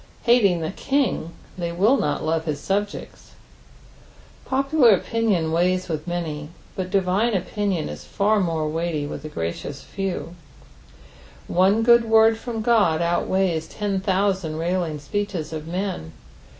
Hating the King they will not love his subjects. Popular opinion weighs with many, but divine opinion is far more weighty with the gracious few. One good word from God outweighs ten thousand railing speecnes of men.